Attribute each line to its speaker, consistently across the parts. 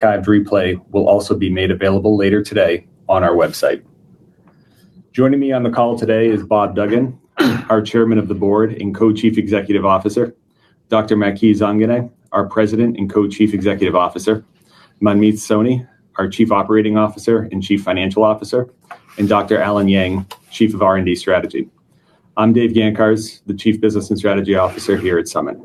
Speaker 1: Archived replay will also be made available later today on our website. Joining me on the call today is Bob Duggan, our Chairman of the Board and Co-Chief Executive Officer, Dr. Maky Zanganeh, our President and Co-Chief Executive Officer, Manmeet Soni, our Chief Operating Officer and Chief Financial Officer, and Dr. Allen Yang, Chief of R&D Strategy. I'm Dave Gancarz, the Chief Business and Strategy Officer here at Summit.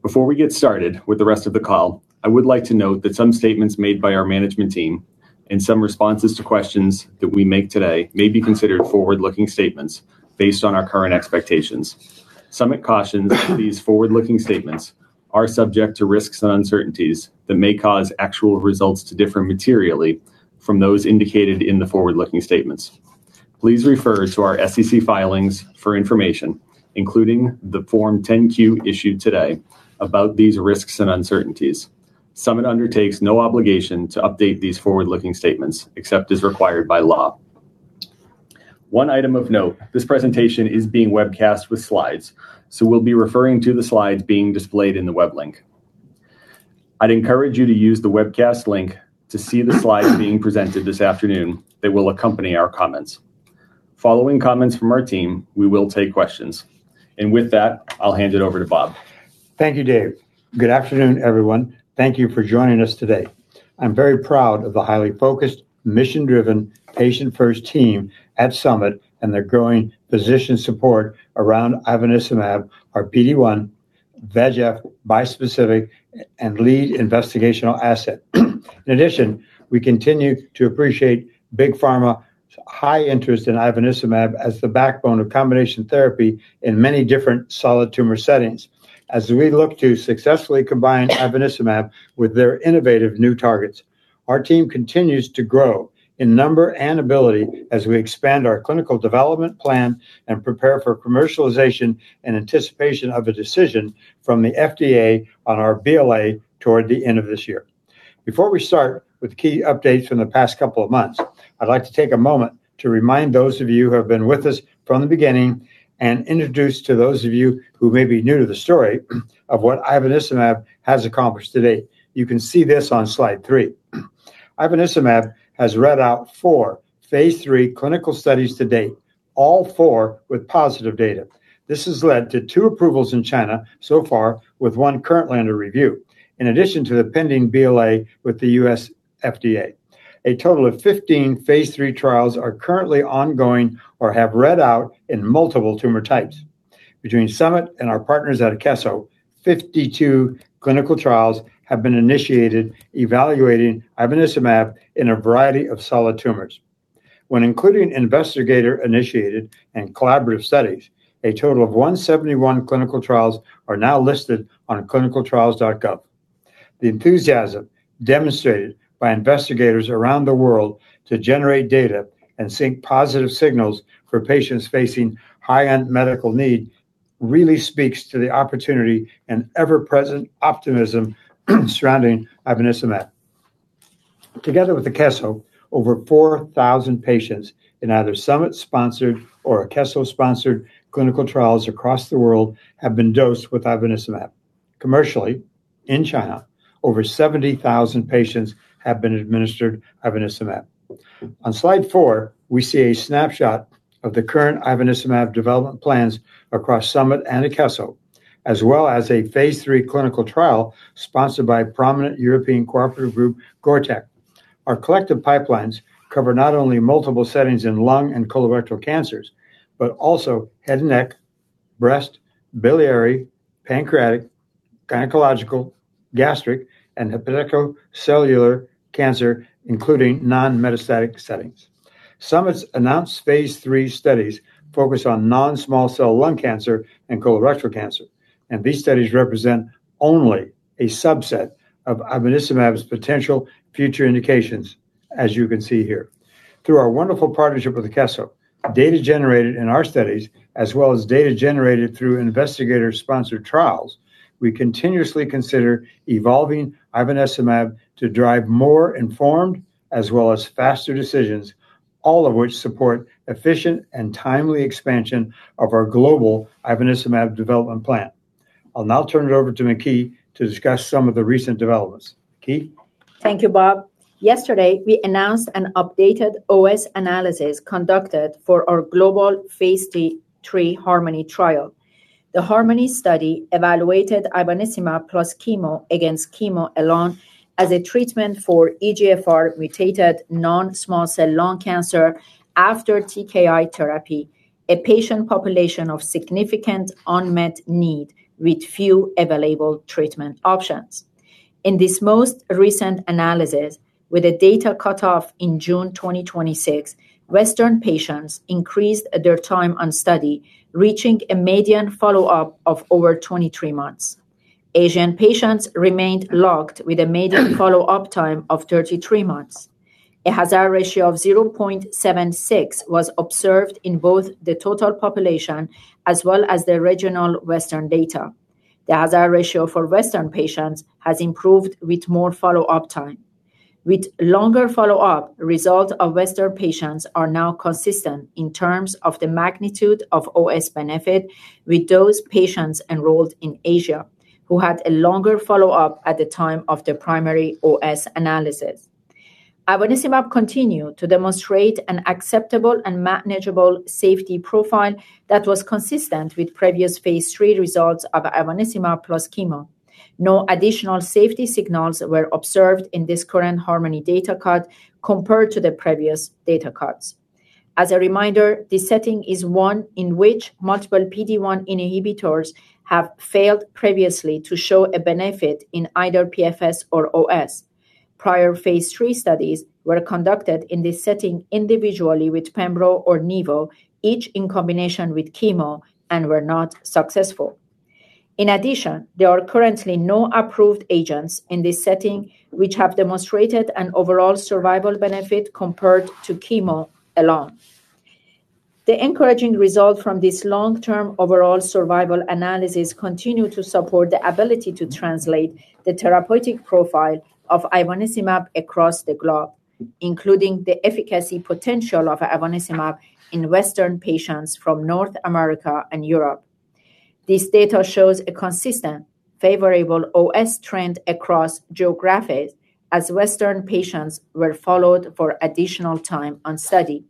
Speaker 1: Before we get started with the rest of the call, I would like to note that some statements made by our management team and some responses to questions that we make today may be considered forward-looking statements based on our current expectations. Summit cautions that these forward-looking statements are subject to risks and uncertainties that may cause actual results to differ materially from those indicated in the forward-looking statements. Please refer to our SEC filings for information, including the Form 10-Q issued today, about these risks and uncertainties. Summit undertakes no obligation to update these forward-looking statements except as required by law. One item of note, this presentation is being webcast with slides, so we'll be referring to the slides being displayed in the web link. I'd encourage you to use the webcast link to see the slides being presented this afternoon that will accompany our comments. Following comments from our team, we will take questions. With that, I'll hand it over to Bob.
Speaker 2: Thank you, Dave. Good afternoon, everyone. Thank you for joining us today. I'm very proud of the highly focused, mission-driven, patient-first team at Summit and their growing physician support around ivonescimab, our PD-1, VEGF, bispecific, and lead investigational asset. In addition, we continue to appreciate Big Pharma's high interest in ivonescimab as the backbone of combination therapy in many different solid tumor settings. As we look to successfully combine ivonescimab with their innovative new targets, our team continues to grow in number and ability as we expand our clinical development plan and prepare for commercialization in anticipation of a decision from the FDA on our BLA toward the end of this year. Before we start with key updates from the past couple of months, I'd like to take a moment to remind those of you who have been with us from the beginning and introduce to those of you who may be new to the story of what ivonescimab has accomplished to date. You can see this on slide three. Ivonescimab has read out four phase III clinical studies to date, all four with positive data. This has led to two approvals in China so far, with one currently under review. In addition to the pending BLA with the U.S. FDA, a total of 15 phase III trials are currently ongoing or have read out in multiple tumor types. Between Summit and our partners at Akeso, 52 clinical trials have been initiated evaluating ivonescimab in a variety of solid tumors. When including investigator-initiated and collaborative studies, a total of 171 clinical trials are now listed on clinicaltrials.gov. The enthusiasm demonstrated by investigators around the world to generate data and sync positive signals for patients facing high-end medical need really speaks to the opportunity and ever-present optimism surrounding ivonescimab. Together with Akeso, over 4,000 patients in either Summit-sponsored or Akeso-sponsored clinical trials across the world have been dosed with ivonescimab. Commercially, in China, over 70,000 patients have been administered ivonescimab. On slide four, we see a snapshot of the current ivonescimab development plans across Summit and Akeso, as well as a phase III clinical trial sponsored by prominent European cooperative group, GORTEC. Our collective pipelines cover not only multiple settings in lung and colorectal cancers, but also head and neck, breast, biliary, pancreatic, gynecological, gastric, and hepatocellular cancer, including non-metastatic settings. Summit's announced phase III studies focus on non-small cell lung cancer and colorectal cancer, and these studies represent only a subset of ivonescimab's potential future indications, as you can see here. Through our wonderful partnership with Akeso, data generated in our studies, as well as data generated through investigator-sponsored trials, we continuously consider evolving ivonescimab to drive more informed as well as faster decisions, all of which support efficient and timely expansion of our global ivonescimab development plan. I'll now turn it over to Maky to discuss some of the recent developments. Maky?
Speaker 3: Thank you, Bob. Yesterday, we announced an updated OS analysis conducted for our global phase III HARMONi trial. The HARMONi study evaluated ivonescimab plus chemo against chemo alone as a treatment for EGFR-mutated non-small cell lung cancer after TKI therapy, a patient population of significant unmet need with few available treatment options. In this most recent analysis, with a data cutoff in June 2026, Western patients increased their time on study, reaching a median follow-up of over 23 months. Asian patients remained locked with a median follow-up time of 33 months. A hazard ratio of 0.76 was observed in both the total population as well as the regional Western data. The hazard ratio for Western patients has improved with more follow-up time. With longer follow-up, results of Western patients are now consistent in terms of the magnitude of OS benefit with those patients enrolled in Asia who had a longer follow-up at the time of their primary OS analysis. Ivonescimab continued to demonstrate an acceptable and manageable safety profile that was consistent with previous phase III results of ivonescimab plus chemo. No additional safety signals were observed in this current HARMONi data cut compared to the previous data cuts. As a reminder, this setting is one in which multiple PD-1 inhibitors have failed previously to show a benefit in either PFS or OS. Prior phase III studies were conducted in this setting individually with pembro or nivo, each in combination with chemo and were not successful. In addition, there are currently no approved agents in this setting which have demonstrated an overall survival benefit compared to chemo alone. The encouraging result from this long-term overall survival analysis continue to support the ability to translate the therapeutic profile of ivonescimab across the globe, including the efficacy potential of ivonescimab in Western patients from North America and Europe. This data shows a consistent favorable OS trend across geographies as Western patients were followed for additional time on study.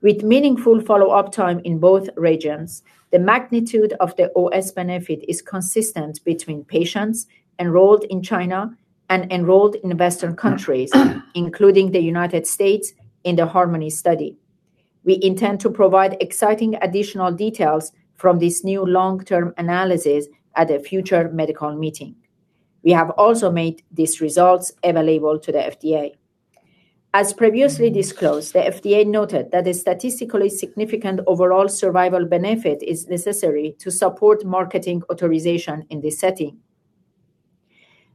Speaker 3: With meaningful follow-up time in both regions, the magnitude of the OS benefit is consistent between patients enrolled in China and enrolled in Western countries, including the United States, in the HARMONi study. We intend to provide exciting additional details from this new long-term analysis at a future medical meeting. We have also made these results available to the FDA. As previously disclosed, the FDA noted that a statistically significant overall survival benefit is necessary to support marketing authorization in this setting.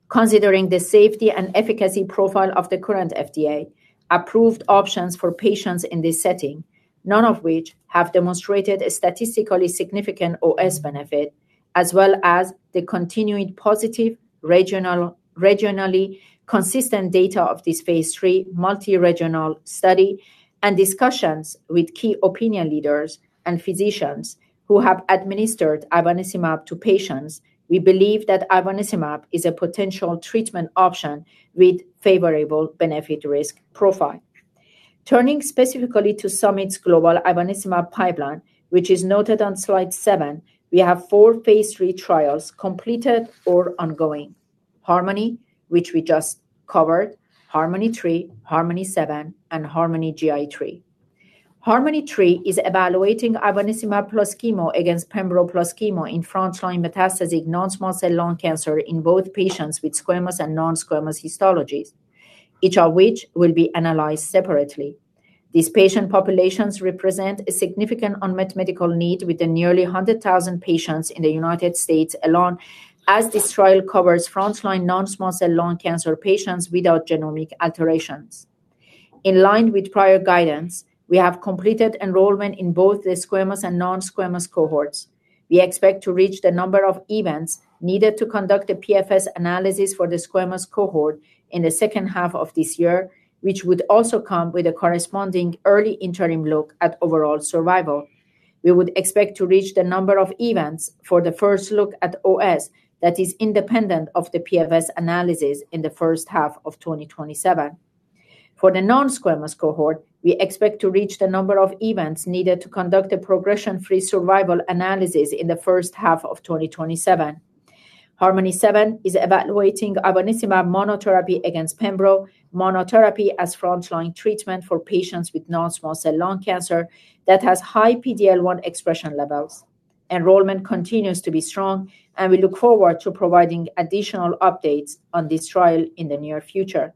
Speaker 3: Considering the safety and efficacy profile of the current FDA-approved options for patients in this setting, none of which have demonstrated a statistically significant OS benefit, as well as the continued positive regionally consistent data of this phase III multi-regional study and discussions with key opinion leaders and physicians who have administered ivonescimab to patients, we believe that ivonescimab is a potential treatment option with favorable benefit risk profile. Turning specifically to Summit's global ivonescimab pipeline, which is noted on slide seven, we have four phase III trials completed or ongoing. HARMONi, which we just covered, HARMONi-3, HARMONi-7, and HARMONi-GI3. HARMONi-3 is evaluating ivonescimab plus chemo against pembro plus chemo in first-line metastatic non-small cell lung cancer in both patients with squamous and non-squamous histologies, each of which will be analyzed separately. These patient populations represent a significant unmet medical need, with the nearly 100,000 patients in the United States alone as this trial covers first-line non-small cell lung cancer patients without genomic alterations. In line with prior guidance, we have completed enrollment in both the squamous and non-squamous cohorts. We expect to reach the number of events needed to conduct a PFS analysis for the squamous cohort in the second half of this year, which would also come with a corresponding early interim look at overall survival. We would expect to reach the number of events for the first look at OS that is independent of the PFS analysis in the first half of 2027. For the non-squamous cohort, we expect to reach the number of events needed to conduct a progression-free survival analysis in the first half of 2027. HARMONi-7 is evaluating ivonescimab monotherapy against pembro monotherapy as first-line treatment for patients with non-small cell lung cancer that has high PD-L1 expression levels. Enrollment continues to be strong, and we look forward to providing additional updates on this trial in the near future.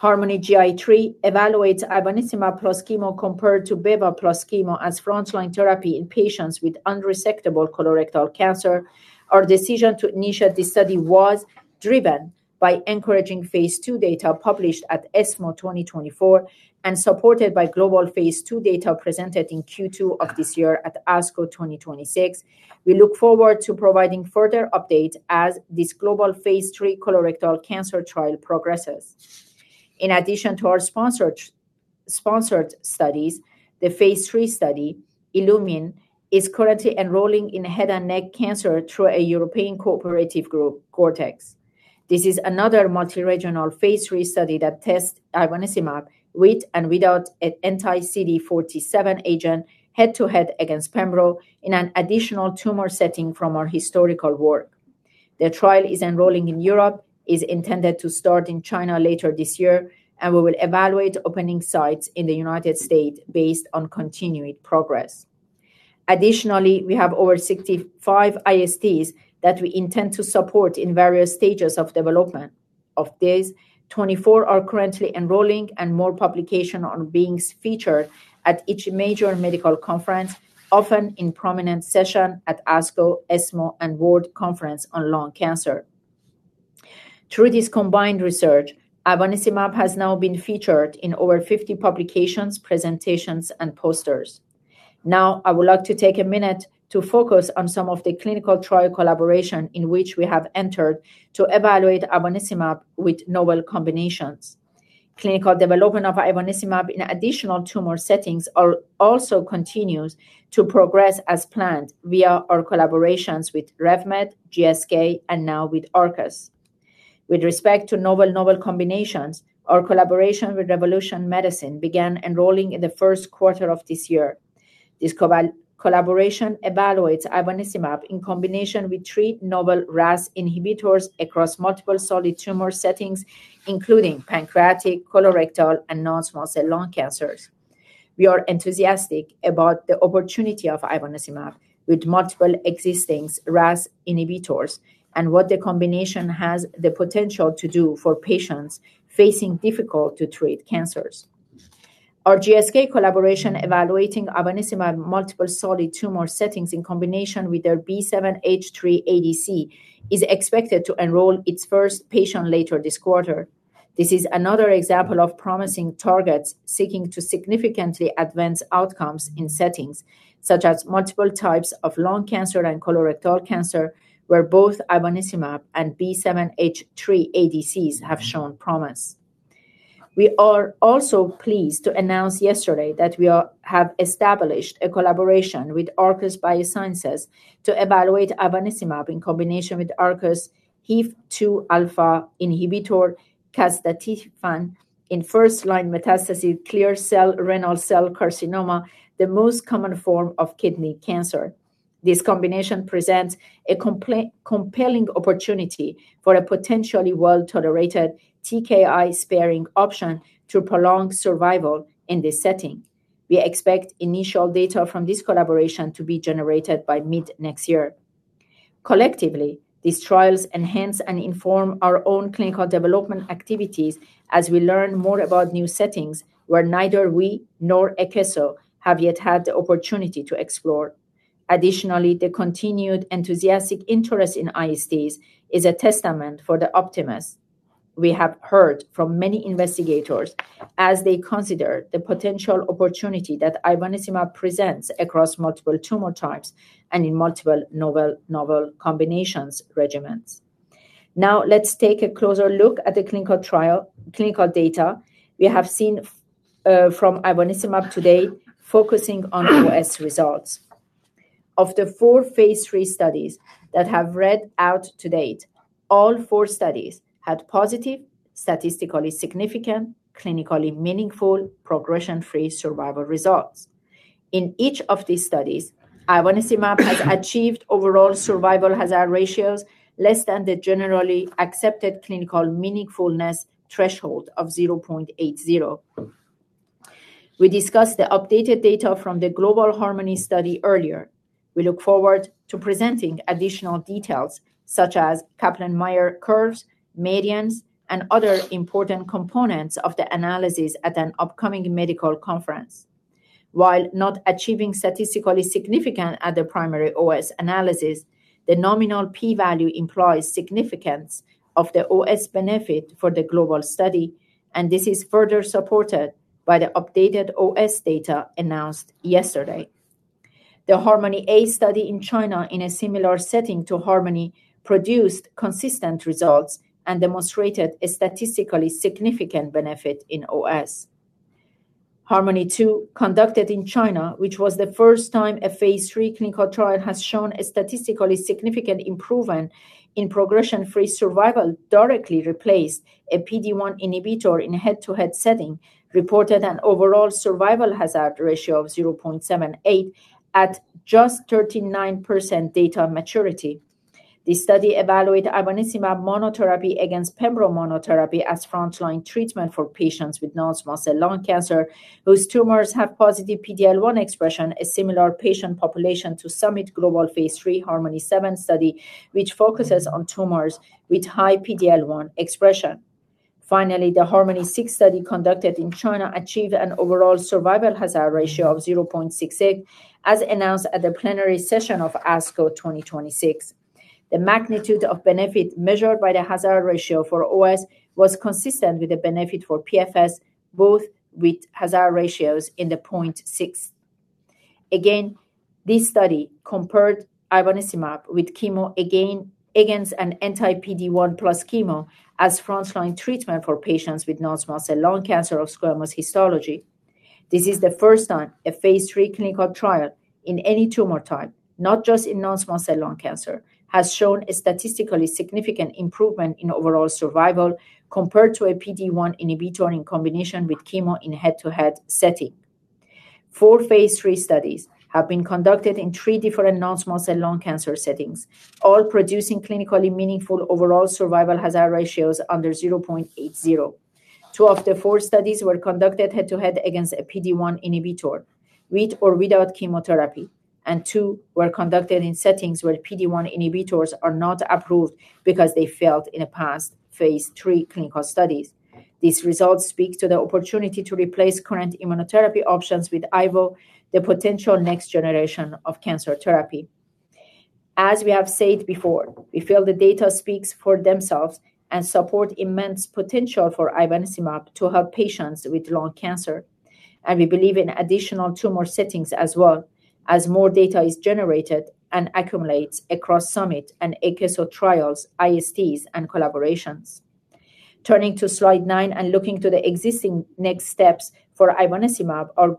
Speaker 3: HARMONi-GI3 evaluates ivonescimab plus chemo compared to beva plus chemo as first-line therapy in patients with unresectable colorectal cancer. Our decision to initiate this study was driven by encouraging phase II data published at ESMO 2024 and supported by global phase II data presented in Q2 of this year at ASCO 2026. We look forward to providing further updates as this global phase III colorectal cancer trial progresses. In addition to our sponsored studies, the phase III study, ILLUMINE, is currently enrolling in head and neck cancer through a European cooperative group, GORTEC. This is another multi-regional phase III study that tests ivonescimab with and without an anti-CD47 agent head to head against pembro in an additional tumor setting from our historical work. The trial is enrolling in Europe, is intended to start in China later this year, and we will evaluate opening sites in the U.S. based on continued progress. Additionally, we have over 65 ISTs that we intend to support in various stages of development. Of these, 24 are currently enrolling and more publication on being featured at each major medical conference, often in prominent session at ASCO, ESMO, and World Conference on Lung Cancer. Through this combined research, ivonescimab has now been featured in over 50 publications, presentations, and posters. I would like to take a minute to focus on some of the clinical trial collaboration in which we have entered to evaluate ivonescimab with novel combinations. Clinical development of ivonescimab in additional tumor settings also continues to progress as planned via our collaborations with RevMed, GSK, and now with Arcus. With respect to novel combinations, our collaboration with Revolution Medicines began enrolling in the first quarter of this year. This collaboration evaluates ivonescimab in combination with three novel RAS inhibitors across multiple solid tumor settings, including pancreatic, colorectal, and non-small cell lung cancers. We are enthusiastic about the opportunity of ivonescimab with multiple existing RAS inhibitors and what the combination has the potential to do for patients facing difficult-to-treat cancers. Our GSK collaboration evaluating ivonescimab in multiple solid tumor settings in combination with their B7-H3 ADC is expected to enroll its first patient later this quarter. This is another example of promising targets seeking to significantly advance outcomes in settings such as multiple types of lung cancer and colorectal cancer, where both ivonescimab and B7-H3 ADCs have shown promise. We are also pleased to announce yesterday that we have established a collaboration with Arcus Biosciences to evaluate ivonescimab in combination with Arcus HIF-2α inhibitor, casdatifan, in first-line metastatic clear cell renal cell carcinoma, the most common form of kidney cancer. This combination presents a compelling opportunity for a potentially well-tolerated TKI-sparing option to prolong survival in this setting. We expect initial data from this collaboration to be generated by mid-next year. Collectively, these trials enhance and inform our own clinical development activities as we learn more about new settings where neither we nor Akeso have yet had the opportunity to explore. Additionally, the continued enthusiastic interest in ISTs is a testament for the optimists. We have heard from many investigators as they consider the potential opportunity that ivonescimab presents across multiple tumor types and in multiple novel combinations regimens. Let's take a closer look at the clinical data we have seen from ivonescimab today, focusing on OS results. Of the four phase III studies that have read out to date, all four studies had positive, statistically significant, clinically meaningful progression-free survival results. In each of these studies, ivonescimab has achieved overall survival hazard ratios less than the generally accepted clinical meaningfulness threshold of 0.80. We discussed the updated data from the global HARMONi study earlier. We look forward to presenting additional details such as Kaplan-Meier curves, medians, and other important components of the analysis at an upcoming medical conference. While not achieving statistical significance at the primary OS analysis, the nominal P-value implies significance of the OS benefit for the global study, and this is further supported by the updated OS data announced yesterday. The HARMONi-A study in China, in a similar setting to HARMONi, produced consistent results and demonstrated a statistically significant benefit in OS. HARMONi-2, conducted in China, which was the first time a phase III clinical trial has shown a statistically significant improvement in progression-free survival, directly replaced a PD-1 inhibitor in head-to-head setting, reported an overall survival hazard ratio of 0.78 at just 39% data maturity. This study evaluated ivonescimab monotherapy against pembro monotherapy as frontline treatment for patients with non-small cell lung cancer, whose tumors have positive PD-L1 expression, a similar patient population to Summit global phase III HARMONi-7 study, which focuses on tumors with high PD-L1 expression. Finally, the HARMONi-6 study conducted in China achieved an overall survival hazard ratio of 0.68, as announced at the plenary session of ASCO 2026. The magnitude of benefit measured by the hazard ratio for OS was consistent with the benefit for PFS, both with hazard ratios in the 0.6. Again, this study compared ivonescimab with chemo against an anti-PD-1 plus chemo as frontline treatment for patients with non-small cell lung cancer of squamous histology. This is the first time a phase III clinical trial in any tumor type, not just in non-small cell lung cancer, has shown a statistically significant improvement in overall survival compared to a PD-1 inhibitor in combination with chemo in head-to-head setting. Four phase III studies have been conducted in three different non-small cell lung cancer settings, all producing clinically meaningful overall survival hazard ratios under 0.80. Two of the four studies were conducted head-to-head against a PD-1 inhibitor, with or without chemotherapy, and two were conducted in settings where PD-1 inhibitors are not approved because they failed in past phase III clinical studies. These results speak to the opportunity to replace current immunotherapy options with ivo, the potential next generation of cancer therapy. As we have said before, we feel the data speaks for themselves and support immense potential for ivonescimab to help patients with lung cancer, and we believe in additional tumor settings as well as more data is generated and accumulates across Summit and Akeso trials, ISTs, and collaborations. Turning to slide nine and looking to the existing next steps for ivonescimab, our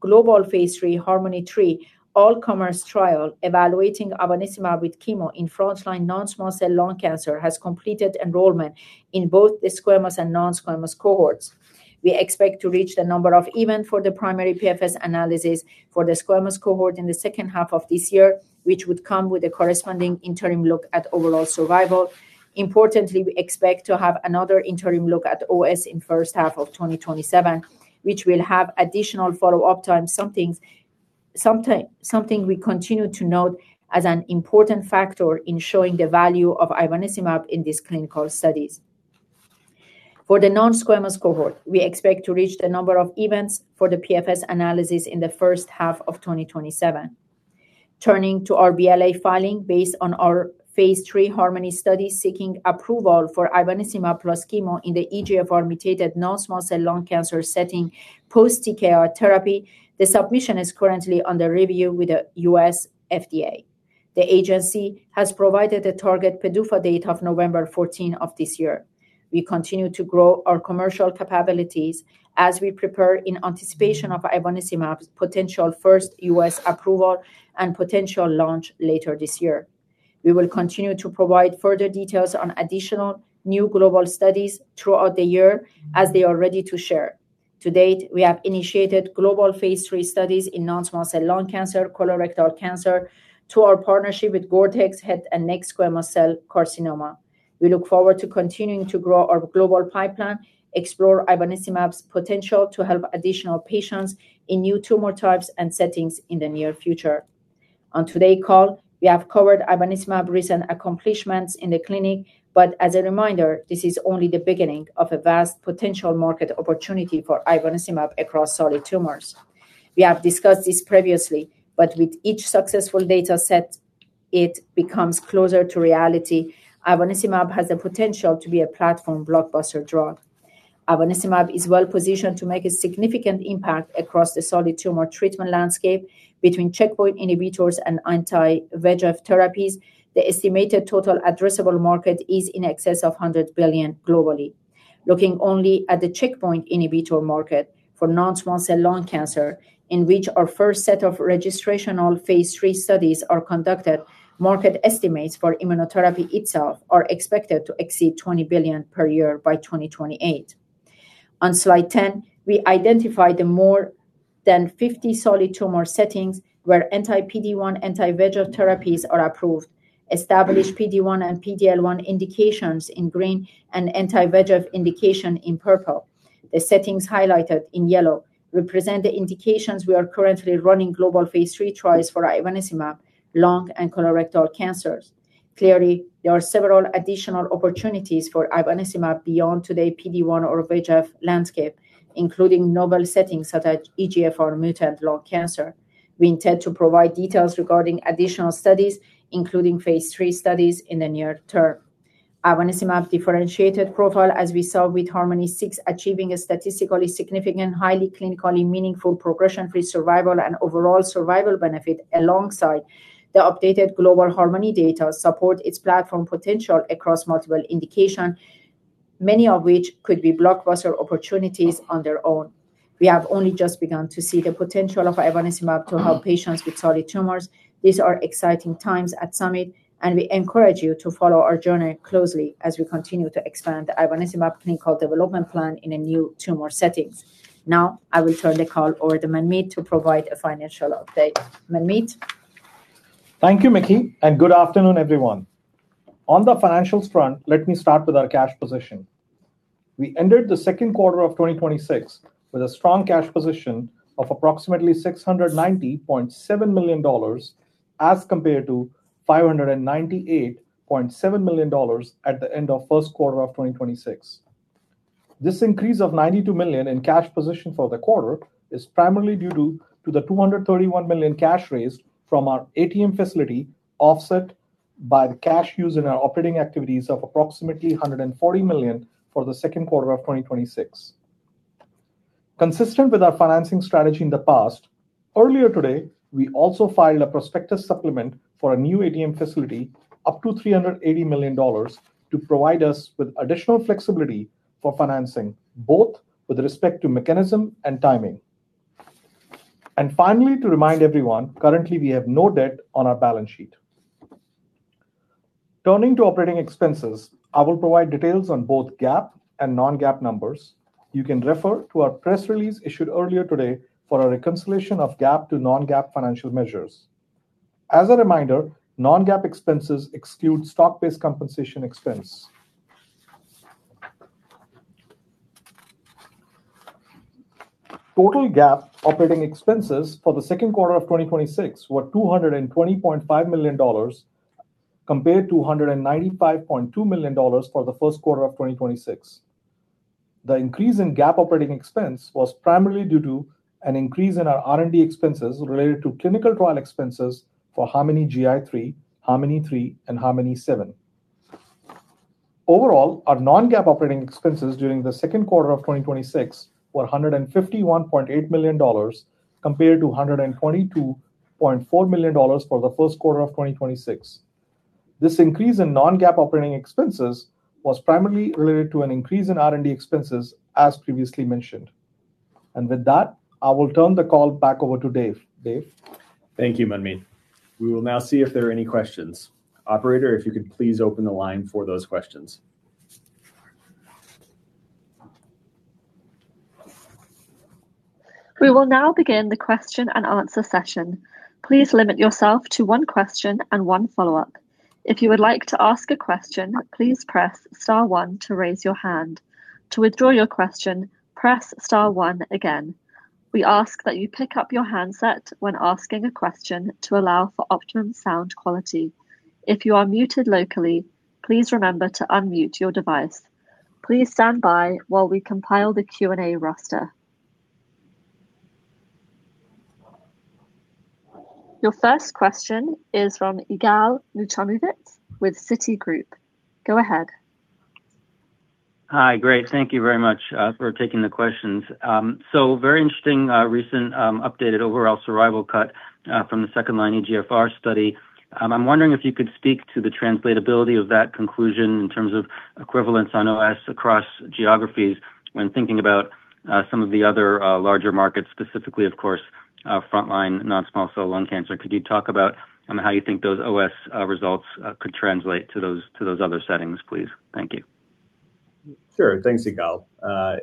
Speaker 3: global phase III HARMONi-3 all-comers trial evaluating ivonescimab with chemo in frontline non-small cell lung cancer has completed enrollment in both the squamous and non-squamous cohorts. We expect to reach the number of event for the primary PFS analysis for the squamous cohort in the second half of this year, which would come with a corresponding interim look at overall survival. Importantly, we expect to have another interim look at OS in first half of 2027, which will have additional follow-up time, something we continue to note as an important factor in showing the value of ivonescimab in these clinical studies. For the non-squamous cohort, we expect to reach the number of events for the PFS analysis in the first half of 2027. Turning to our BLA filing based on our phase III HARMONi study, seeking approval for ivonescimab plus chemo in the EGFR mutated non-small cell lung cancer setting post-TKI therapy. The submission is currently under review with the U.S. FDA. The agency has provided a target PDUFA date of November 14 of this year. We continue to grow our commercial capabilities as we prepare in anticipation of ivonescimab's potential first U.S. approval and potential launch later this year. We will continue to provide further details on additional new global studies throughout the year, as they are ready to share. To date, we have initiated global phase III studies in non-small cell lung cancer, colorectal cancer, to our partnership with GORTEC head and neck squamous cell carcinoma. We look forward to continuing to grow our global pipeline, explore ivonescimab's potential to help additional patients in new tumor types and settings in the near future. On today call, we have covered ivonescimab recent accomplishments in the clinic, but as a reminder, this is only the beginning of a vast potential market opportunity for ivonescimab across solid tumors. We have discussed this previously, but with each successful data set, it becomes closer to reality. Ivonescimab has the potential to be a platform blockbuster drug. Ivonescimab is well-positioned to make a significant impact across the solid tumor treatment landscape between checkpoint inhibitors and anti-VEGF therapies. The estimated total addressable market is in excess of $100 billion globally. Looking only at the checkpoint inhibitor market for non-small cell lung cancer, in which our first set of registrational phase III studies are conducted, market estimates for immunotherapy itself are expected to exceed $20 billion per year by 2028. On slide 10, we identify the more than 50 solid tumor settings where anti-PD-1, anti-VEGF therapies are approved. Established PD-1 and PD-L1 indications in green, and anti-VEGF indication in purple. The settings highlighted in yellow represent the indications we are currently running global phase III trials for ivonescimab, lung and colorectal cancers. Clearly, there are several additional opportunities for ivonescimab beyond today PD-1 or VEGF landscape, including novel settings such as EGFR mutant lung cancer. We intend to provide details regarding additional studies, including phase III studies, in the near term. Ivonescimab differentiated profile, as we saw with HARMONi-6, achieving a statistically significant, highly clinically meaningful progression-free survival and overall survival benefit, alongside the updated global HARMONi data, support its platform potential across multiple indication, many of which could be blockbuster opportunities on their own. We have only just begun to see the potential of ivonescimab to help patients with solid tumors. These are exciting times at Summit, and we encourage you to follow our journey closely as we continue to expand the ivonescimab clinical development plan in a new tumor setting. Now I will turn the call over to Manmeet to provide a financial update. Manmeet?
Speaker 4: Thank you, Maky, and good afternoon, everyone. On the financials front, let me start with our cash position. We ended the second quarter of 2026 with a strong cash position of approximately $690.7 million, as compared to $598.7 million at the end of first quarter of 2026. This increase of $92 million in cash position for the quarter is primarily due to the $231 million cash raised from our ATM facility, offset by the cash used in our operating activities of approximately $140 million for the second quarter of 2026. Consistent with our financing strategy in the past, earlier today, we also filed a prospectus supplement for a new ATM facility up to $380 million to provide us with additional flexibility for financing, both with respect to mechanism and timing. And finally, to remind everyone, currently, we have no debt on our balance sheet. Turning to operating expenses, I will provide details on both GAAP and non-GAAP numbers. You can refer to our press release issued earlier today for a reconciliation of GAAP to non-GAAP financial measures. As a reminder, non-GAAP expenses exclude stock-based compensation expense. Total GAAP operating expenses for the second quarter of 2026 were $220.5 million compared to $195.2 million for the first quarter of 2026. The increase in GAAP operating expense was primarily due to an increase in our R&D expenses related to clinical trial expenses for HARMONi-GI3, HARMONi-3, and HARMONi-7. Overall, our non-GAAP operating expenses during the second quarter of 2026 were $151.8 million compared to $122. $0.4 million for the first quarter of 2026. This increase in non-GAAP operating expenses was primarily related to an increase in R&D expenses, as previously mentioned. With that, I will turn the call back over to Dave. Dave?
Speaker 1: Thank you, Manmeet. We will now see if there are any questions. Operator, if you could please open the line for those questions.
Speaker 5: We will now begin the question-and-answer session. Please limit yourself to one question and one follow-up. If you would like to ask a question, please press star one to raise your hand. To withdraw your question, press star one again. We ask that you pick up your handset when asking a question to allow for optimum sound quality. If you are muted locally, please remember to unmute your device. Please stand by while we compile the Q&A roster. Your first question is from Yigal Nochomovitz with Citigroup. Go ahead.
Speaker 6: Hi. Great. Thank you very much for taking the questions. Very interesting recent updated overall survival cut from the second-line EGFR study. I am wondering if you could speak to the translatability of that conclusion in terms of equivalence on OS across geographies when thinking about some of the other larger markets, specifically, of course, frontline non-small cell lung cancer. Could you talk about how you think those OS results could translate to those other settings, please? Thank you.
Speaker 1: Sure. Thanks, Yigal,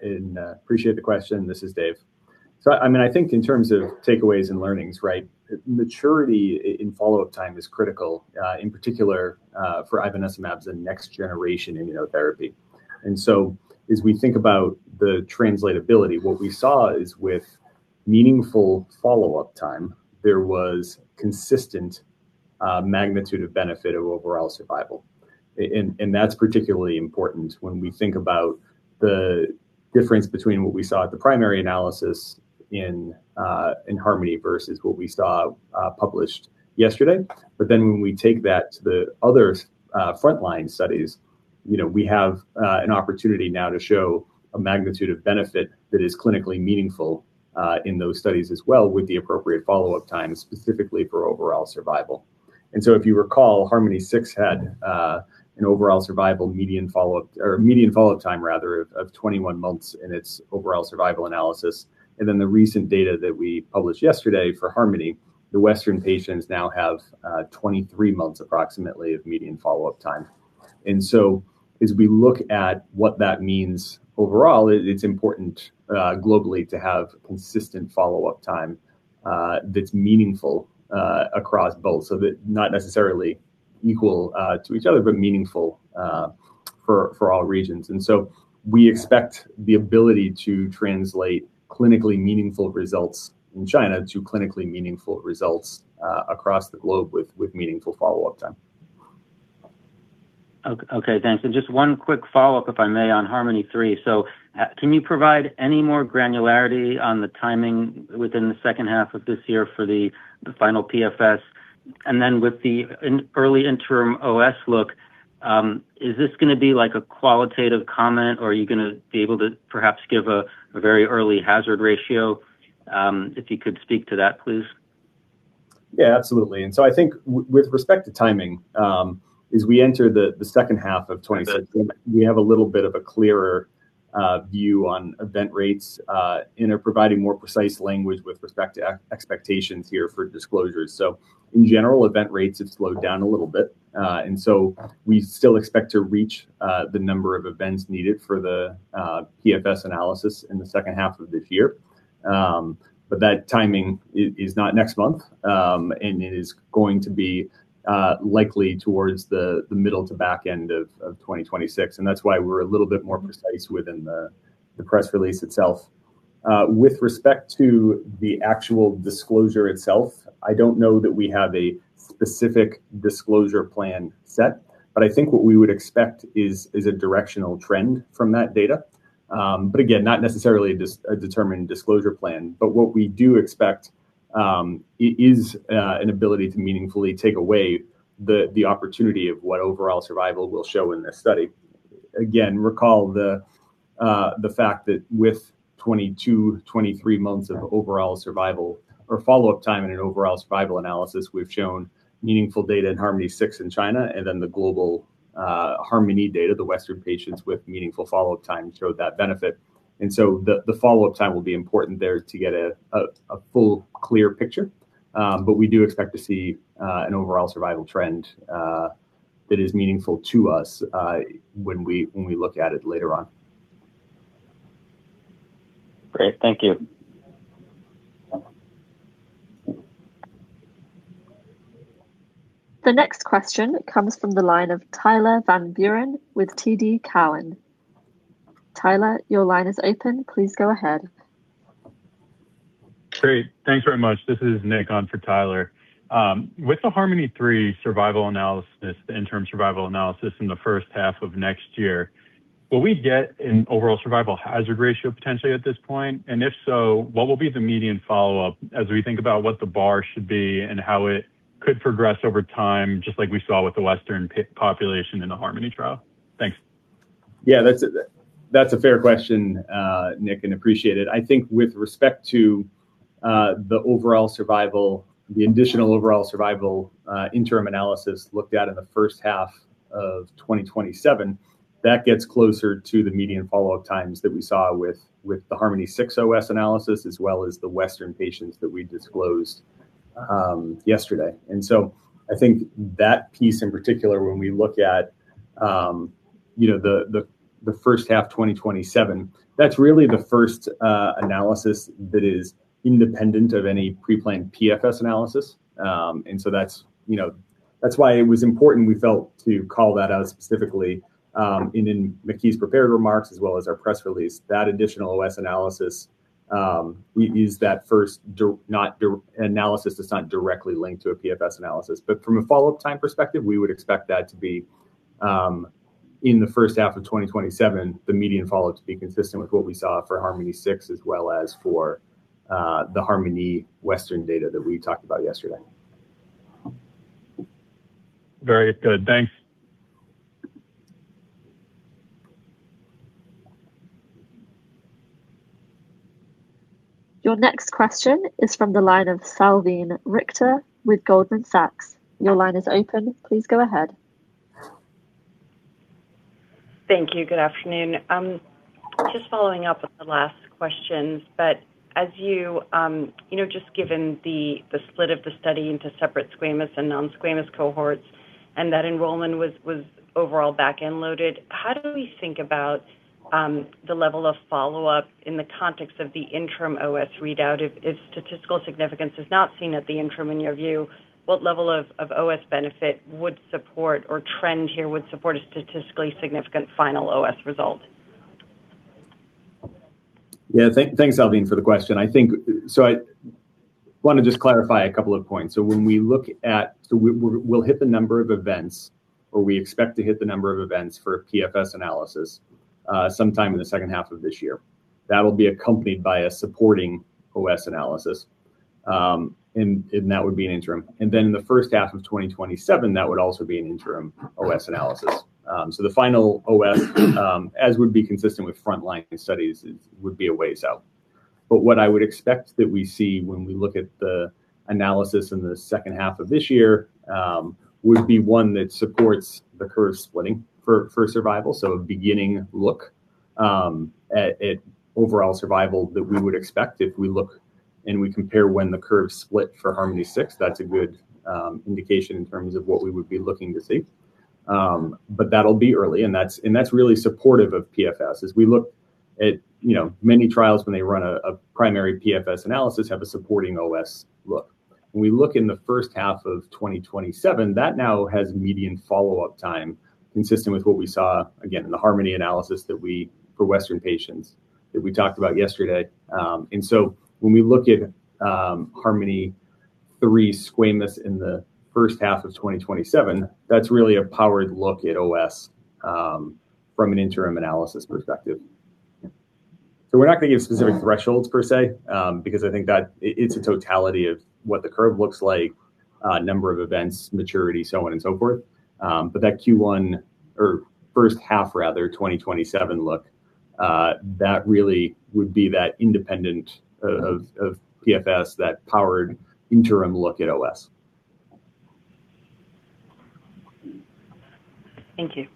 Speaker 1: and appreciate the question. This is Dave. I think in terms of takeaways and learnings, maturity in follow-up time is critical, in particular for ivonescimab as a next-generation immunotherapy. As we think about the translatability, what we saw is with meaningful follow-up time, there was consistent magnitude of benefit of overall survival. That's particularly important when we think about the difference between what we saw at the primary analysis in HARMONi versus what we saw published yesterday. When we take that to the other frontline studies, we have an opportunity now to show a magnitude of benefit that is clinically meaningful, in those studies as well, with the appropriate follow-up time, specifically for overall survival. If you recall, HARMONi-6 had an overall survival median follow-up, or a median follow-up time rather of 21 months in its overall survival analysis. The recent data that we published yesterday for HARMONi, the Western patients now have 23 months approximately of median follow-up time. As we look at what that means overall, it's important globally to have consistent follow-up time that's meaningful across both, so that not necessarily equal to each other, but meaningful for all regions. We expect the ability to translate clinically meaningful results in China to clinically meaningful results across the globe with meaningful follow-up time.
Speaker 6: Okay, thanks. Just one quick follow-up, if I may, on HARMONi-3. Can you provide any more granularity on the timing within the second half of this year for the final PFS? With the early interim OS look, is this going to be a qualitative comment, or are you going to be able to perhaps give a very early hazard ratio? If you could speak to that, please.
Speaker 1: Yeah, absolutely. I think with respect to timing, as we enter the second half of, we have a little bit of a clearer view on event rates and are providing more precise language with respect to expectations here for disclosures. In general, event rates have slowed down a little bit. We still expect to reach the number of events needed for the PFS analysis in the second half of this year. That timing is not next month, and it is going to be likely towards the middle to back end of 2026, and that's why we're a little bit more precise within the press release itself. With respect to the actual disclosure itself, I don't know that we have a specific disclosure plan set, but I think what we would expect is a directional trend from that data. Again, not necessarily a determined disclosure plan. What we do expect is an ability to meaningfully take away the opportunity of what overall survival will show in this study. Again, recall the fact that with 22, 23 months of overall survival or follow-up time in an overall survival analysis, we've shown meaningful data in HARMONi-6 in China, and then the global HARMONi data; the Western patients with meaningful follow-up time showed that benefit. The follow-up time will be important there to get a full clear picture. We do expect to see an overall survival trend that is meaningful to us when we look at it later on.
Speaker 6: Great. Thank you.
Speaker 5: The next question comes from the line of Tyler Van Buren with TD Cowen. Tyler, your line is open. Please go ahead.
Speaker 7: Great. Thanks very much. This is Nick on for Tyler. With the HARMONi-3 survival analysis, the interim survival analysis in the first half of next year, will we get an overall survival hazard ratio potentially at this point? If so, what will be the median follow-up as we think about what the bar should be and how it could progress over time, just like we saw with the Western population in the HARMONi trial? Thanks.
Speaker 1: That's a fair question, Nick, and appreciate it. I think with respect to the additional overall survival interim analysis looked at in the first half of 2027, that gets closer to the median follow-up times that we saw with the HARMONi-6 OS analysis, as well as the western patients that we disclosed yesterday. I think that piece in particular, when we look at the first half 2027, that's really the first analysis that is independent of any pre-planned PFS analysis. That's why it was important, we felt, to call that out specifically in Maky's prepared remarks as well as our press release. That additional OS analysis, we used that first analysis that's not directly linked to a PFS analysis. From a follow-up time perspective, we would expect that to be in the first half of 2027, the median follow to be consistent with what we saw for HARMONi-6 as well as for the HARMONi western data that we talked about yesterday.
Speaker 7: Very good. Thanks.
Speaker 5: Your next question is from the line of Salveen Richter with Goldman Sachs. Your line is open. Please go ahead.
Speaker 8: Thank you. Good afternoon. Following up with the last questions, given the split of the study into separate squamous and non-squamous cohorts and that enrollment was overall back-end loaded, how do we think about the level of follow-up in the context of the interim OS readout? If statistical significance is not seen at the interim, in your view, what level of OS benefit would support or trend here would support a statistically significant final OS result?
Speaker 1: Yeah. Thanks, Salveen, for the question. I want to just clarify a couple of points. We'll hit the number of events, or we expect to hit the number of events for a PFS analysis sometime in the second half of this year. That will be accompanied by a supporting OS analysis, and that would be an interim. In the first half of 2027, that would also be an interim OS analysis. The final OS, as would be consistent with frontline studies, would be a ways out. What I would expect that we see when we look at the analysis in the second half of this year would be one that supports the curve splitting for survival. A beginning look at overall survival that we would expect if we look and we compare when the curves split for HARMONi 6, that's a good indication in terms of what we would be looking to see. That'll be early, and that's really supportive of PFS. We look at many trials when they run a primary PFS analysis have a supporting OS look. We look in the first half of 2027, that now has median follow-up time consistent with what we saw, again, in the HARMONi analysis for Western patients that we talked about yesterday. When we look at HARMONi-3 squamous in the first half of 2027, that's really a powered look at OS from an interim analysis perspective. We're not going to give specific thresholds per se, because I think that it's a totality of what the curve looks like, number of events, maturity, so on and so forth. That Q1 or first half rather, 2027 look, that really would be that independent of PFS, that powered interim look at OS.
Speaker 8: Thank you.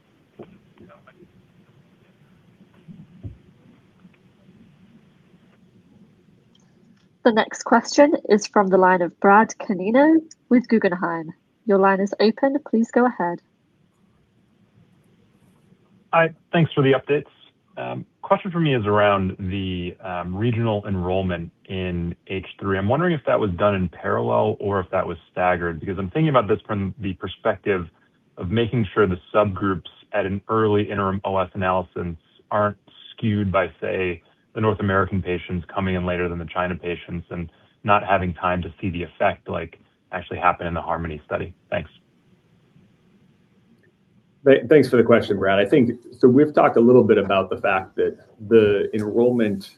Speaker 5: The next question is from the line of Brad Canino with Guggenheim. Your line is open. Please go ahead.
Speaker 9: Hi. Thanks for the updates. Question from me is around the regional enrollment in H3. I'm wondering if that was done in parallel or if that was staggered, because I'm thinking about this from the perspective of making sure the subgroups at an early interim OS analysis aren't skewed by, say, the North American patients coming in later than the China patients and not having time to see the effect like actually happen in the HARMONi study. Thanks.
Speaker 1: Thanks for the question, Brad. We've talked a little bit about the fact that the enrollment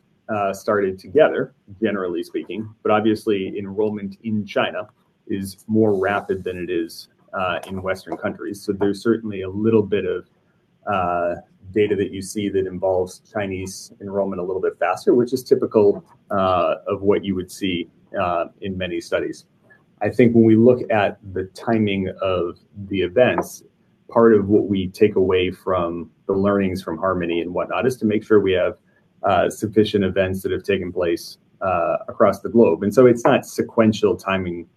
Speaker 1: started together, generally speaking, but obviously enrollment in China is more rapid than it is in Western countries. There's certainly a little bit of data that you see that involves Chinese enrollment a little bit faster, which is typical of what you would see in many studies. I think when we look at the timing of the events, part of what we take away from the learnings from HARMONi and whatnot is to make sure we have sufficient events that have taken place across the globe. It's not sequential timing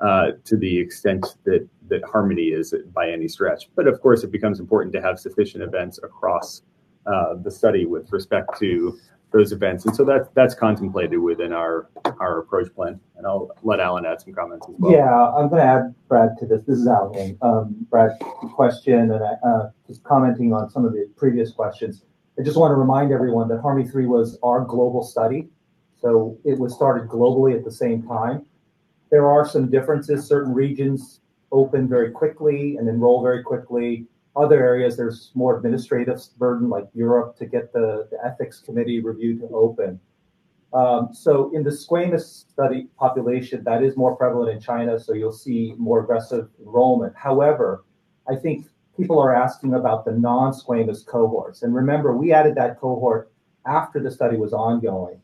Speaker 1: to the extent that HARMONi is by any stretch. Of course, it becomes important to have sufficient events across the study with respect to those events. That's contemplated within our approach plan, and I'll let Allen add some comments as well.
Speaker 10: Yeah, I'm going to add, Brad, to this. This is Allen. Brad, good question. Just commenting on some of the previous questions. I just want to remind everyone that HARMONi-3 was our global study, it was started globally at the same time. There are some differences. Certain regions open very quickly and enroll very quickly. Other areas, there's more administrative burden, like Europe, to get the ethics committee review to open. In the squamous study population, that is more prevalent in China, you'll see more aggressive enrollment. However, I think people are asking about the non-squamous cohorts, remember, we added that cohort after the study was ongoing.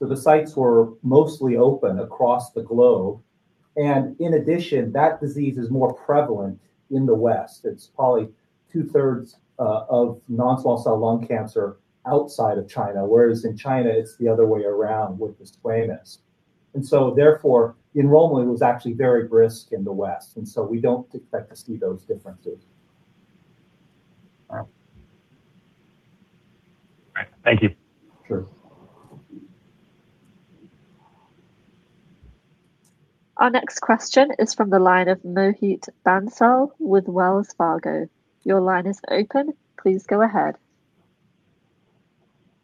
Speaker 10: The sites were mostly open across the globe. In addition, that disease is more prevalent in the West. It's probably two-thirds of non-small cell lung cancer outside of China, whereas in China it's the other way around with the squamous. Therefore, enrollment was actually very brisk in the West, we don't expect to see those differences.
Speaker 9: All right. Thank you.
Speaker 1: Sure.
Speaker 5: Our next question is from the line of Mohit Bansal with Wells Fargo. Your line is open. Please go ahead.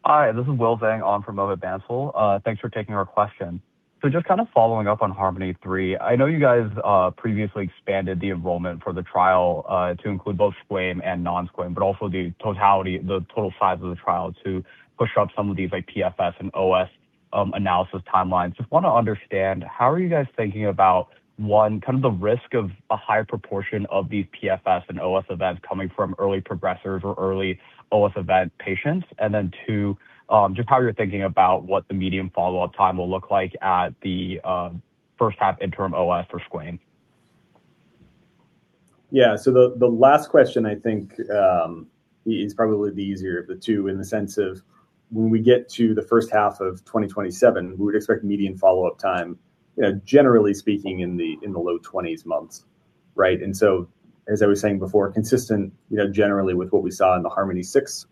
Speaker 11: Hi, this is Will Vang on for Mohit Bansal. Thanks for taking our question. Just kind of following up on HARMONi-3, I know you guys previously expanded the enrollment for the trial to include both squam and non-squam, but also the total size of the trial to push up some of these PFS and OS analysis timelines. Just want to understand, how are you guys thinking about, one, the risk of a higher proportion of these PFS and OS events coming from early progressors or early OS event patients? Two, just how you're thinking about what the medium follow-up time will look like at the first half interim OS for squam.
Speaker 1: Yeah. The last question, I think, is probably the easier of the two in the sense of when we get to the first half of 2027, we would expect median follow-up time, generally speaking, in the low 20s months. Right? As I was saying before, consistent generally with what we saw in the HARMONi-6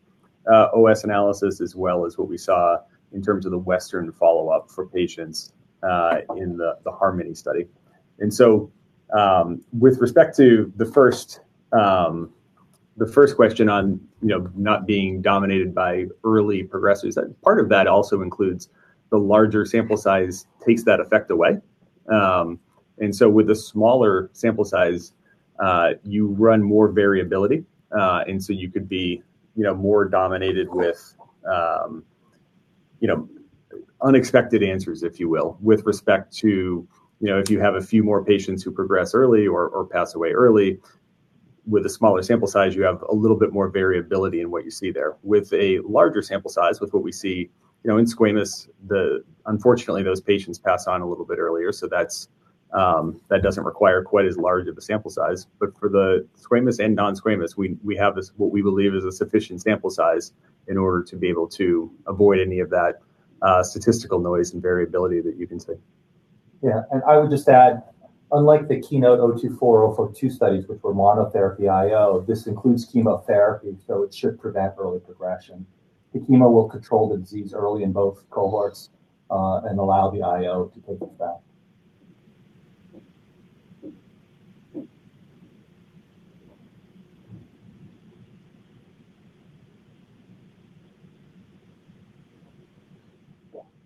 Speaker 1: OS analysis, as well as what we saw in terms of the Western follow-up for patients in the HARMONi study. With respect to the first question on not being dominated by early progressors, part of that also includes the larger sample size takes that effect away. With the smaller sample size, you run more variability. You could be more dominated with unexpected answers, if you will, with respect to if you have a few more patients who progress early or pass away early, with a smaller sample size, you have a little bit more variability in what you see there. With a larger sample size, with what we see in squamous, unfortunately, those patients pass on a little bit earlier, so that doesn't require quite as large of a sample size. For the squamous and non-squamous, we have what we believe is a sufficient sample size in order to be able to avoid any of that statistical noise and variability that you can see.
Speaker 10: I would just add, unlike the KEYNOTE-024, 042 studies, which were monotherapy IO, this includes chemotherapy, it should prevent early progression. The chemo will control the disease early in both cohorts, and allow the IO to take it back.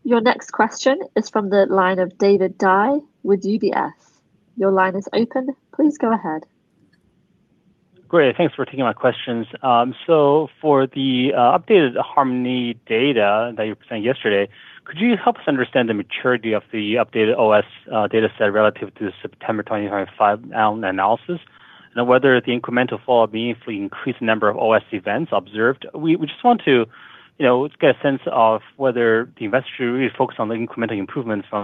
Speaker 5: Your next question is from the line of David Dai with UBS. Your line is open. Please go ahead.
Speaker 12: Great. Thanks for taking my questions. For the updated HARMONi data that you were presenting yesterday, could you help us understand the maturity of the updated OS data set relative to the September 2025 analysis and whether the incremental follow-up meaningfully increased the number of OS events observed? We just want to get a sense of whether the investor should really focus on the incremental improvements for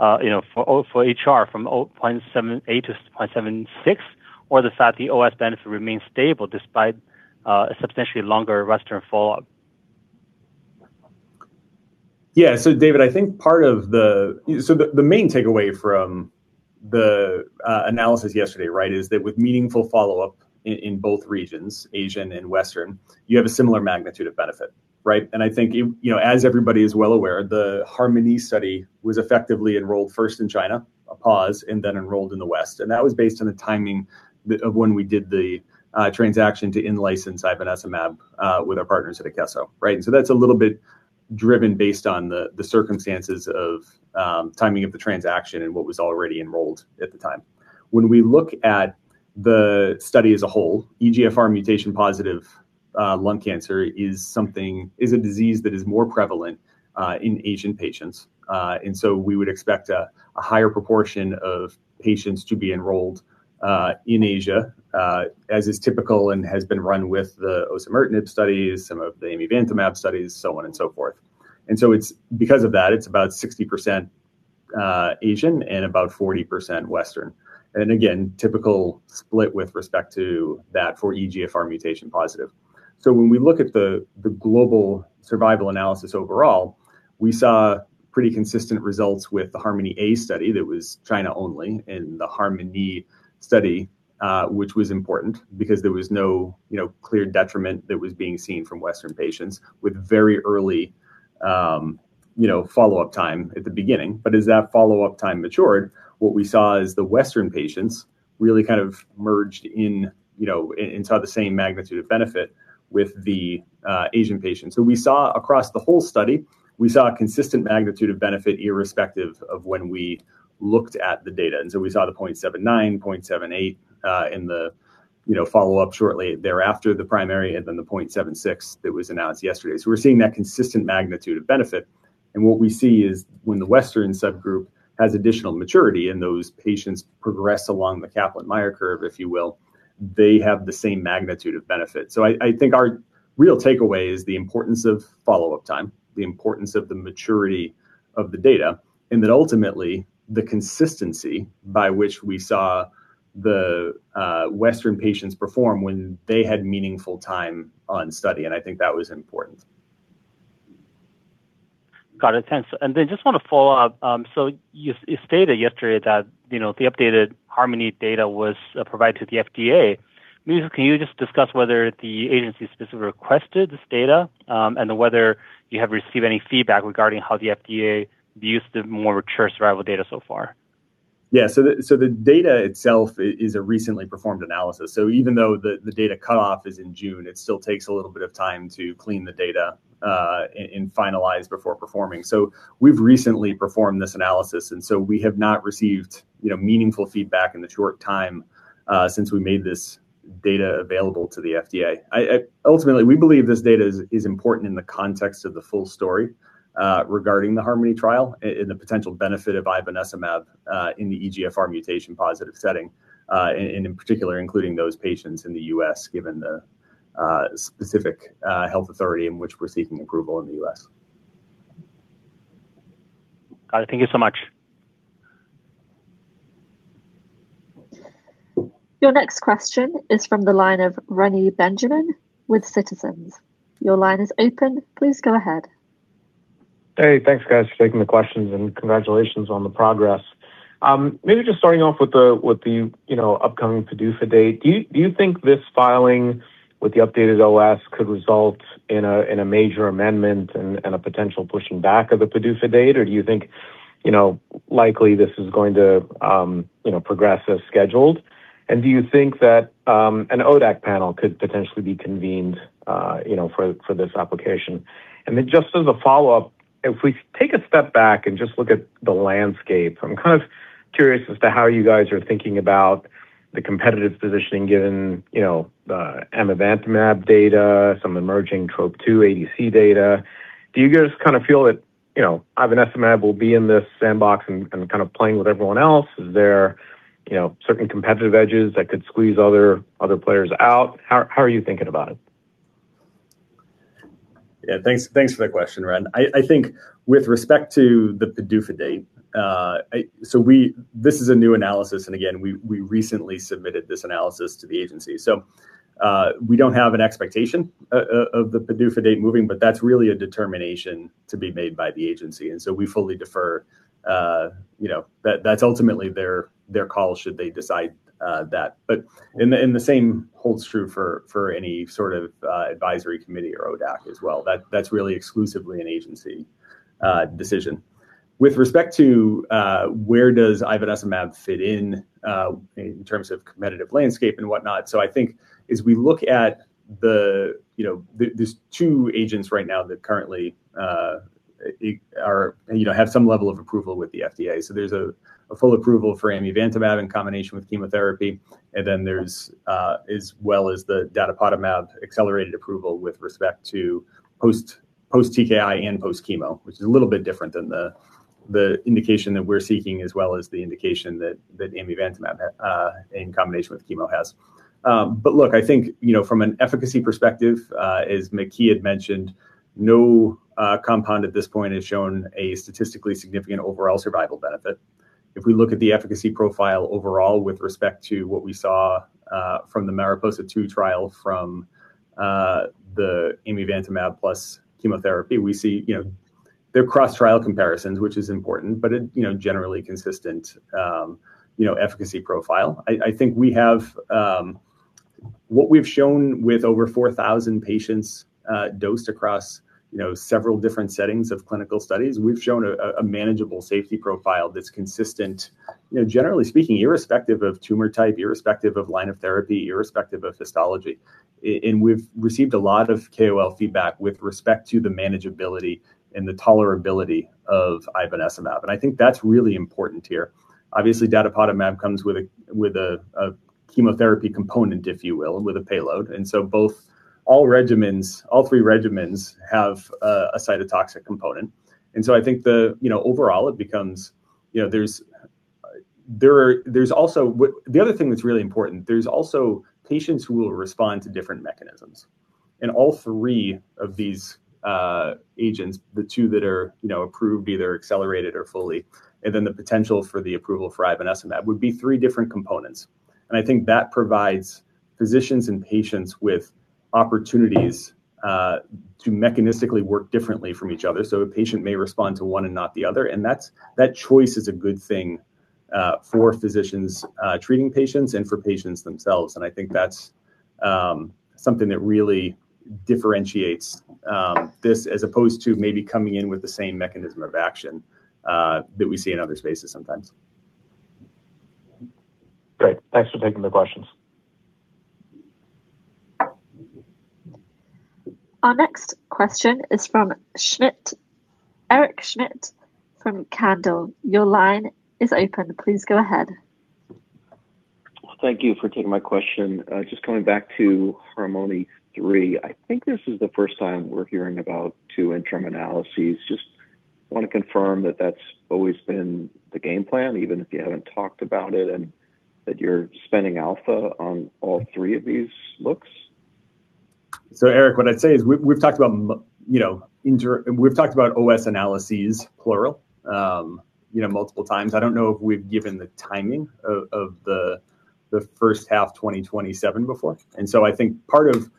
Speaker 12: HR from 0.78 to 0.76, or the fact the OS benefit remains stable despite a substantially longer Western follow-up.
Speaker 1: Yeah. David, the main takeaway from the analysis yesterday, right, is that with meaningful follow-up in both regions, Asian and Western, you have a similar magnitude of benefit, right? I think as everybody is well aware, the HARMONi study was effectively enrolled first in China, a pause, and then enrolled in the West. That was based on the timing of when we did the transaction to in-license ivonescimab with our partners at Akeso, right? That's a little bit driven based on the circumstances of timing of the transaction and what was already enrolled at the time. When we look at the study as a whole, EGFR mutation-positive lung cancer is a disease that is more prevalent in Asian patients. We would expect a higher proportion of patients to be enrolled in Asia, as is typical and has been run with the osimertinib studies, some of the amivantamab studies, so on and so forth. Because of that, it's about 60% Asian and about 40% Western. Again, typical split with respect to that for EGFR mutation positive. When we look at the global survival analysis overall, we saw pretty consistent results with the HARMONi-A study that was China only, and the HARMONi study, which was important because there was no clear detriment that was being seen from Western patients with very early follow-up time at the beginning. As that follow-up time matured, what we saw is the Western patients really kind of merged in and saw the same magnitude of benefit with the Asian patients. We saw across the whole study, we saw a consistent magnitude of benefit irrespective of when we looked at the data. We saw the 0.79, 0.78 in the follow-up shortly thereafter the primary, and then the 0.76 that was announced yesterday. We're seeing that consistent magnitude of benefit. What we see is when the Western subgroup has additional maturity and those patients progress along the Kaplan-Meier curve, if you will, they have the same magnitude of benefit. I think our real takeaway is the importance of follow-up time, the importance of the maturity of the data, and that ultimately the consistency by which we saw the Western patients perform when they had meaningful time on study, and I think that was important.
Speaker 12: Got it. Thanks. Just want to follow up. You stated yesterday that the updated HARMONi data was provided to the FDA. Can you just discuss whether the agency specifically requested this data and whether you have received any feedback regarding how the FDA views the more mature survival data so far?
Speaker 1: Yeah. The data itself is a recently performed analysis. Even though the data cutoff is in June, it still takes a little bit of time to clean the data and finalize before performing. We've recently performed this analysis, and we have not received meaningful feedback in the short time since we made this data available to the FDA. Ultimately, we believe this data is important in the context of the full story regarding the HARMONi trial and the potential benefit of ivonescimab in the EGFR mutation-positive setting, and in particular including those patients in the U.S., given the specific health authority in which we're seeking approval in the U.S.
Speaker 12: Got it. Thank you so much.
Speaker 5: Your next question is from the line of Reni Benjamin with Citizens. Your line is open. Please go ahead.
Speaker 13: Hey, thanks guys for taking the questions and congratulations on the progress. Maybe just starting off with the upcoming PDUFA date. Do you think this filing with the updated OS could result in a major amendment and a potential pushing back of the PDUFA date? Do you think likely this is going to progress as scheduled? Do you think that an ODAC panel could potentially be convened for this application? Just as a follow-up, if we take a step back and just look at the landscape, I'm kind of curious as to how you guys are thinking about the competitive positioning given the amivantamab data, some emerging Trop2 ADC data. Do you guys kind of feel that ivonescimab will be in this sandbox and kind of playing with everyone else? Is there certain competitive edges that could squeeze other players out? How are you thinking about it?
Speaker 1: Thanks for the question, Reni. With respect to the PDUFA date, this is a new analysis, and again, we recently submitted this analysis to the agency. We don't have an expectation of the PDUFA date moving, but that's really a determination to be made by the agency, so we fully defer. That's ultimately their call should they decide that. The same holds true for any sort of advisory committee or ODAC as well. That's really exclusively an agency decision. With respect to where does ivonescimab fit in terms of competitive landscape and whatnot. As we look at these two agents right now that currently have some level of approval with the FDA. There's a full approval for amivantamab in combination with chemotherapy, and then there's, as well as the datopotamab accelerated approval with respect to post-TKI and post-chemo, which is a little bit different than the indication that we're seeking, as well as the indication that amivantamab in combination with chemo has. Look, I think from an efficacy perspective, as Maky had mentioned, no compound at this point has shown a statistically significant overall survival benefit. If we look at the efficacy profile overall with respect to what we saw from the MARIPOSA-2 trial from the amivantamab plus chemotherapy, we see they're cross-trial comparisons, which is important, but generally consistent efficacy profile. I think what we've shown with over 4,000 patients dosed across several different settings of clinical studies, we've shown a manageable safety profile that's consistent, generally speaking, irrespective of tumor type, irrespective of line of therapy, irrespective of histology. We've received a lot of KOL feedback with respect to the manageability and the tolerability of ivonescimab, and I think that's really important here. Obviously, datopotamab comes with a chemotherapy component, if you will, with a payload. All three regimens have a cytotoxic component. I think the other thing that's really important, there's also patients who will respond to different mechanisms. All three of these agents, the two that are approved, either accelerated or fully, and then the potential for the approval for ivonescimab would be three different components. I think that provides physicians and patients with opportunities to mechanistically work differently from each other. A patient may respond to one and not the other. That choice is a good thing for physicians treating patients and for patients themselves, I think that's something that really differentiates this as opposed to maybe coming in with the same mechanism of action that we see in other spaces sometimes.
Speaker 13: Great. Thanks for taking the questions.
Speaker 5: Our next question is from Eric Schmidt from Cantor. Your line is open. Please go ahead.
Speaker 14: Thank you for taking my question. Coming back to HARMONi-3, I think this is the first time we're hearing about two interim analyses. Want to confirm that that's always been the game plan, even if you haven't talked about it, that you're spending alpha on all three of these looks.
Speaker 1: Eric, what I'd say is we've talked about OS analyses, plural, multiple times. I don't know if we've given the timing of the first half 2027 before. I think part of,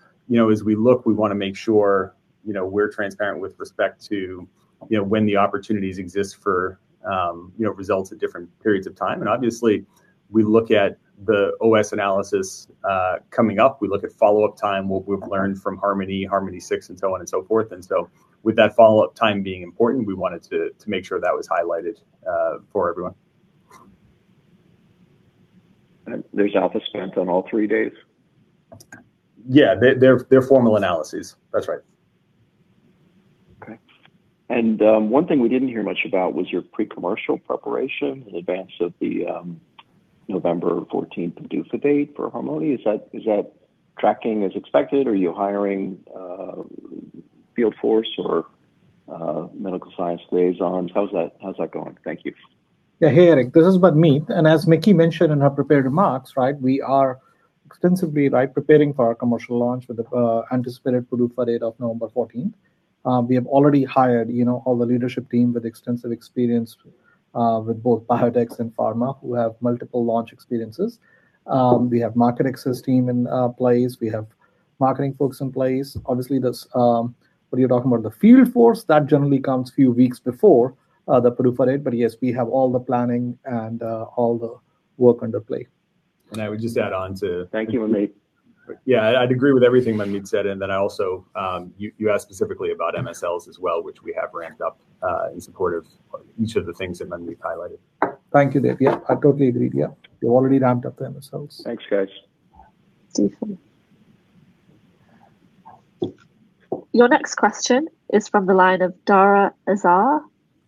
Speaker 1: as we look, we want to make sure we're transparent with respect to when the opportunities exist for results at different periods of time. Obviously we look at the OS analysis coming up. We look at follow-up time, what we've learned from HARMONi-6, and so on and so forth. With that follow-up time being important, we wanted to make sure that was highlighted for everyone.
Speaker 14: There's alpha spent on all three days?
Speaker 1: They're formal analyses. That's right.
Speaker 14: One thing we didn't hear much about was your pre-commercial preparation in advance of the November 14th PDUFA date for HARMONi. Is that tracking as expected? Are you hiring field force or medical science liaisons? How's that going? Thank you.
Speaker 4: Yeah, hey, Eric, this is Manmeet. As Maky mentioned in her prepared remarks, we are extensively preparing for our commercial launch with the anticipated PDUFA date of November 14th. We have already hired all the leadership team with extensive experience with both biotechs and pharma who have multiple launch experiences. We have market access team in place. We have marketing folks in place. Obviously, when you're talking about the field force, that generally comes a few weeks before the PDUFA date, but yes, we have all the planning and all the work under play.
Speaker 1: I would just add on.
Speaker 14: Thank you, Manmeet.
Speaker 1: Yeah, I'd agree with everything Manmeet said, and then I also, you asked specifically about MSLs as well, which we have ramped up in support of each of the things that Manmeet highlighted.
Speaker 4: Thank you, Dave. Yeah, I totally agree. Yeah. We've already ramped up the MSLs.
Speaker 14: Thanks, guys.
Speaker 5: Stifel. Your next question is from the line of Dara Azar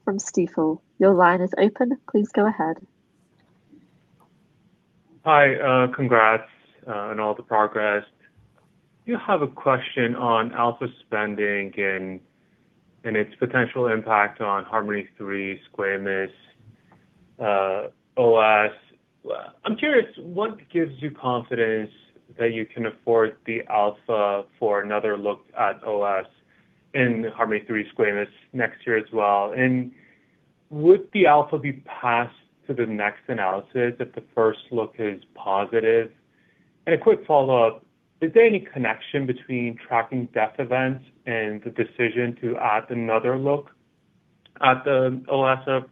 Speaker 5: from Stifel. Your line is open. Please go ahead.
Speaker 15: Hi. Congrats on all the progress. I have a question on alpha spending and its potential impact on HARMONi-3 squamous OS. I'm curious, what gives you confidence that you can afford the alpha for another look at OS in the HARMONi-3 squamous next year as well? Would the alpha be passed to the next analysis if the first look is positive? A quick follow-up, is there any connection between tracking death events and the decision to add another look at the OS of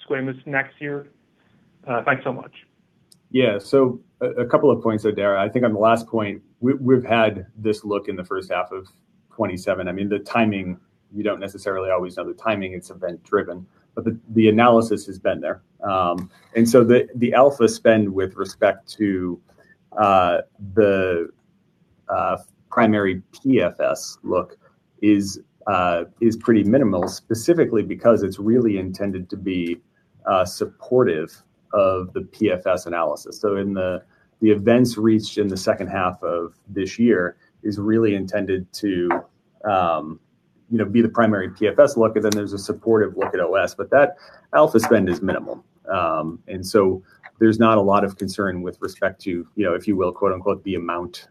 Speaker 15: squamous next year? Thanks so much.
Speaker 1: Yeah. A couple of points there, Dara. I think on the last point, we've had this look in the first half of 2027. The timing, you don't necessarily always know the timing. It's event driven. The analysis has been there. The alpha spend with respect to the primary PFS look is pretty minimal, specifically because it's really intended to be supportive of the PFS analysis. In the events reached in the second half of this year is really intended to be the primary PFS look, and then there's a supportive look at OS. That alpha spend is minimal. There's not a lot of concern with respect to, if you will, quote unquote, "the amount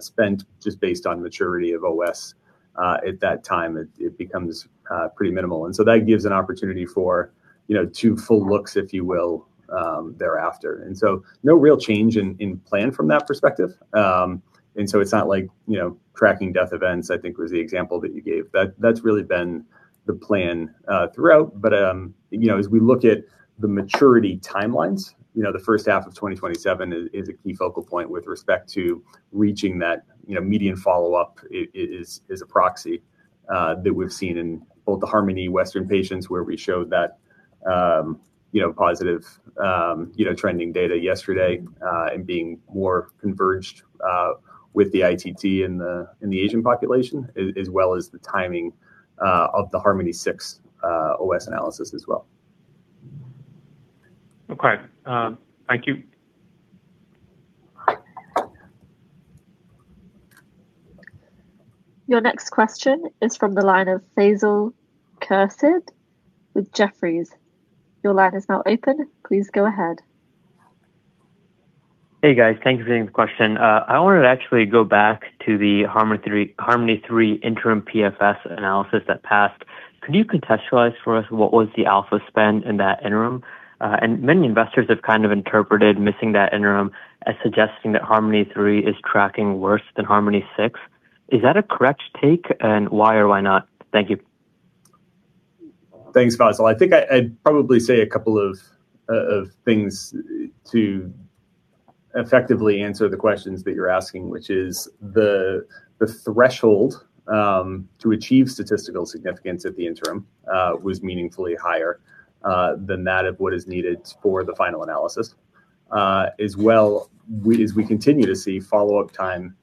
Speaker 1: spent" just based on maturity of OS at that time. It becomes pretty minimal. That gives an opportunity for two full looks, if you will, thereafter. No real change in plan from that perspective. It's not like tracking death events, I think was the example that you gave. That's really been the plan throughout. As we look at the maturity timelines, the first half of 2027 is a key focal point with respect to reaching that median follow-up is a proxy that we've seen in both the HARMONi western patients where we showed that positive trending data yesterday and being more converged with the ITT in the Asian population, as well as the timing of the HARMONi-6 OS analysis as well.
Speaker 15: Okay. Thank you.
Speaker 5: Your next question is from the line of Faisal Khurshid with Jefferies. Your line is now open. Please go ahead.
Speaker 16: Hey, guys. Thank you for taking the question. I wanted to actually go back to the HARMONi-3 interim PFS analysis that passed. Could you contextualize for us what was the alpha spend in that interim? Many investors have kind of interpreted missing that interim as suggesting that HARMONi-3 is tracking worse than HARMONi-6. Is that a correct take, and why or why not? Thank you.
Speaker 1: Thanks, Faisal. I think I'd probably say a couple of things to effectively answer the questions that you're asking, which is the threshold to achieve statistical significance at the interim was meaningfully higher than that of what is needed for the final analysis. As well as we continue to see follow-up time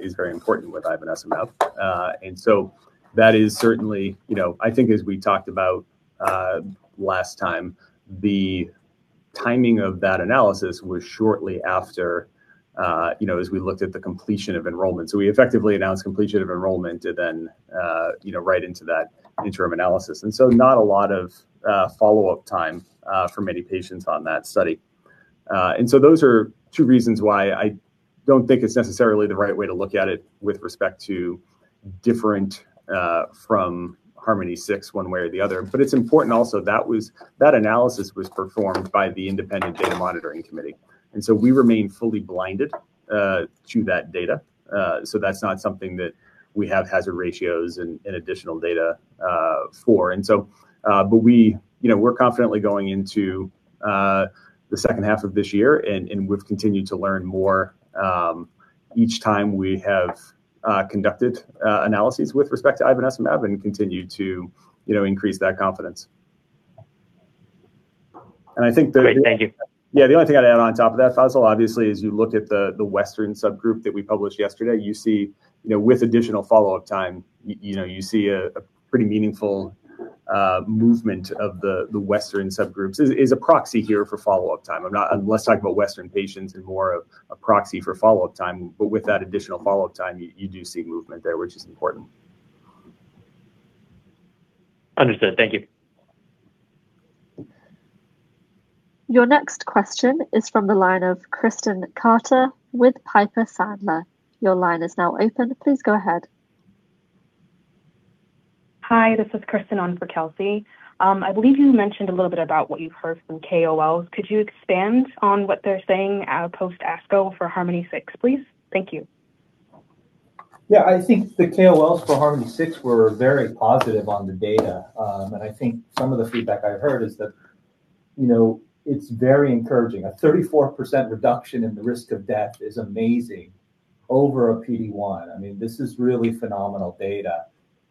Speaker 1: is very important with ivonescimab. That is certainly, I think as we talked about last time, the timing of that analysis was shortly after as we looked at the completion of enrollment. We effectively announced completion of enrollment and then right into that interim analysis. Not a lot of follow-up time for many patients on that study. Those are two reasons why I don't think it's necessarily the right way to look at it with respect to different from HARMONi-6 one way or the other. It's important also, that analysis was performed by the independent data monitoring committee. We remain fully blinded to that data. That's not something that we have hazard ratios and additional data for. We're confidently going into the second half of this year, and we've continued to learn more each time we have conducted analyses with respect to ivonescimab and continued to increase that confidence.
Speaker 16: Great. Thank you.
Speaker 1: Yeah, the only thing I'd add on top of that, Faisal, obviously, as you look at the Western subgroup that we published yesterday, with additional follow-up time, you see a pretty meaningful movement of the Western subgroups. Is a proxy here for follow-up time. Let's talk about Western patients and more of a proxy for follow-up time, but with that additional follow-up time, you do see movement there, which is important.
Speaker 16: Understood. Thank you.
Speaker 5: Your next question is from the line of Kristen Carter with Piper Sandler. Your line is now open. Please go ahead.
Speaker 17: Hi, this is Kristen on for Kelsey. I believe you mentioned a little bit about what you've heard from KOLs. Could you expand on what they're saying post ASCO for HARMONi-6, please? Thank you.
Speaker 1: Yeah. I think the KOLs for HARMONi-6 were very positive on the data. I think some of the feedback I've heard is that it's very encouraging. A 34% reduction in the risk of death is amazing over a PD-1. This is really phenomenal data.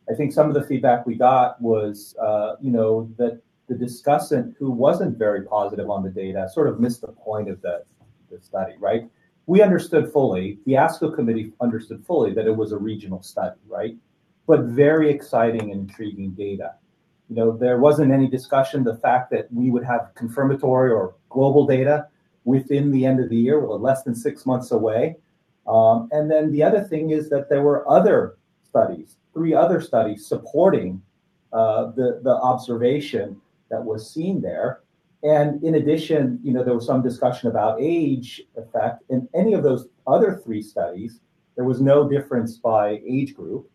Speaker 1: I think some of the feedback we got was that the discussant who wasn't very positive on the data sort of missed the point of the study, right? We understood fully, the ASCO committee understood fully that it was a regional study, right? Very exciting and intriguing data. There wasn't any discussion, the fact that we would have confirmatory or global data within the end of the year. We're less than six months away. The other thing is that there were other studies, three other studies supporting the observation that was seen there. In addition, there was some discussion about age effect. In any of those other three studies, there was no difference by age group.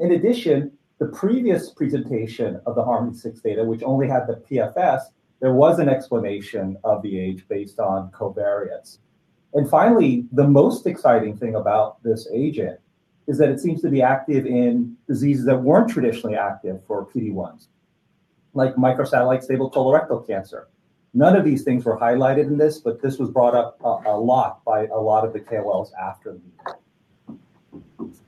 Speaker 1: In addition, the previous presentation of the HARMONi-6 data, which only had the PFS, there was an explanation of the age based on covariates. Finally, the most exciting thing about this agent is that it seems to be active in diseases that weren't traditionally active for PD-1s, like microsatellite stable colorectal cancer. None of these things were highlighted in this, but this was brought up a lot by a lot of the KOLs after the meeting.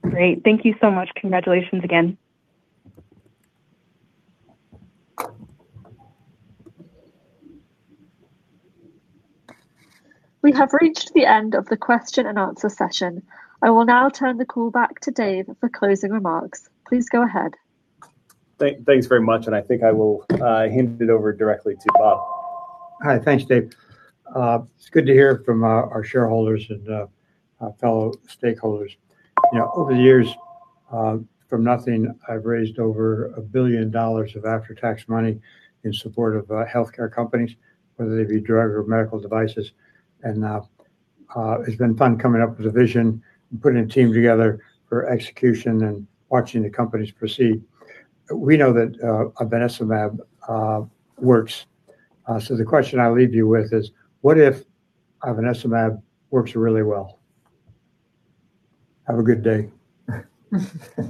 Speaker 17: Great. Thank you so much. Congratulations again.
Speaker 5: We have reached the end of the question-and-answer session. I will now turn the call back to Dave for closing remarks. Please go ahead.
Speaker 1: Thanks very much. I think I will hand it over directly to Bob.
Speaker 2: Hi. Thanks, Dave. It's good to hear from our shareholders and our fellow stakeholders. Over the years, from nothing, I've raised over $1 billion of after-tax money in support of healthcare companies, whether they be drug or medical devices. It's been fun coming up with a vision and putting a team together for execution and watching the companies proceed. We know that ivonescimab works. The question I leave you with is, what if ivonescimab works really well? Have a good day.